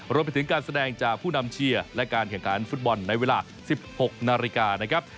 รวมไปถึงการแสดงจากผู้นำเชียร์และการแข่งขันฟุตบอลในเวลา๑๖นาฬิกานะครับ